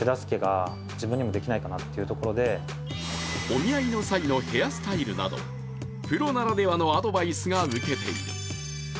お見合いの際のヘアスタイルなどプロならでのアドバイスがウケている。